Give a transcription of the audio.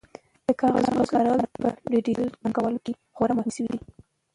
د کاغذونو کارول په ډیجیټل بانکوالۍ کې خورا کم شوي دي.